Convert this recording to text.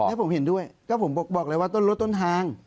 ที่ผมเห็นด้วยก็ผมบอกแรงว่าต้นทาง